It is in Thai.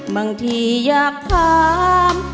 บางทีอยากถาม